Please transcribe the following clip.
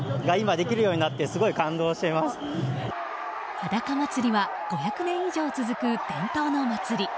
裸祭りは５００年以上続く伝統の祭り。